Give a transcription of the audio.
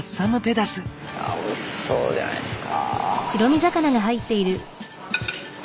おいしそうじゃないすか。